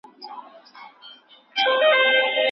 ناوړه دودونه د واده د ځنډ سبب کيږي.